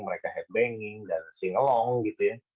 mereka headbanging dan sing along gitu ya